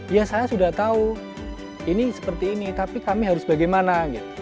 ya saya sudah tahu ini seperti ini tapi kami harus bagaimana